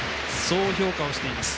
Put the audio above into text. そう評価をしています。